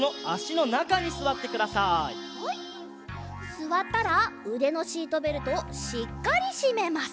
すわったらうでのシートベルトをしっかりしめます。